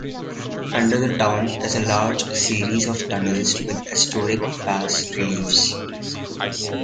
Under the town is a large series of tunnels with esoteric bas-reliefs.